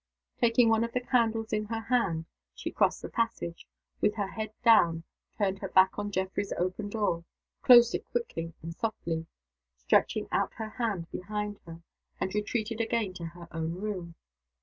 Taking one of the candles in her hand, she crossed the passage, with her head down, turned her back on Geoffrey's open door, closed it quickly and softly, stretching out her hand behind her, and retreated again to her own room.